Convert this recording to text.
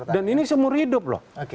dan ini seumur hidup loh